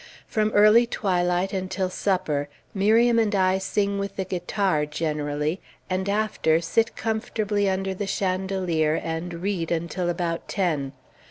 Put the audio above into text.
From early twilight until supper, Miriam and I sing with the guitar, generally, and after, sit comfortably under the chandelier and read until about ten.